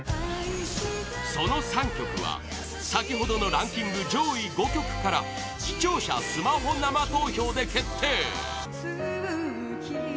その３曲は先ほどのランキング上位５曲から視聴者スマホ生投票で決定